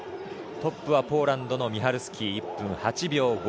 トップはポーランドのミハルスキー１分８秒５６。